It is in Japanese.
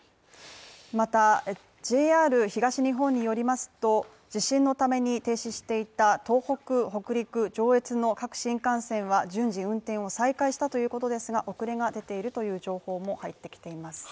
またＪＲ東日本によりますと、地震のために停止していた東北・北陸・上越の各新幹線は順次運転を再開したということですが遅れが出ているという情報も入ってきています